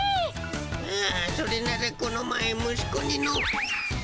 ああそれならこの前息子にの。